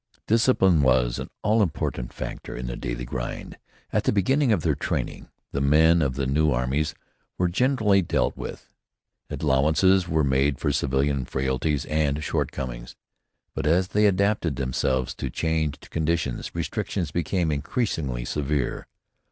Discipline was an all important factor in the daily grind. At the beginning of their training, the men of the new armies were gently dealt with. Allowances were made for civilian frailties and shortcomings. But as they adapted themselves to changed conditions, restrictions became increasingly severe.